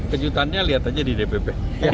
kejutannya lihat aja di dpp